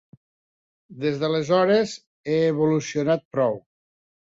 Des d'aleshores ha evolucionat prou.